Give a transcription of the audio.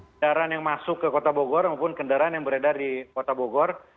kendaraan yang masuk ke kota bogor maupun kendaraan yang beredar di kota bogor